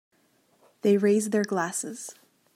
They raise their glasses.